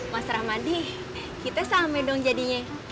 mas rahmadi kita sama dong jadinya